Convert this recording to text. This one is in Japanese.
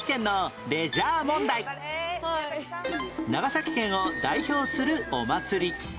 長崎県を代表するお祭り